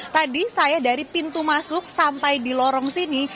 tadi saya dari pintu masuk sampai di lorong sini